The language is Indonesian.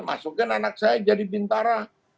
masukkan anak saya jadi bintara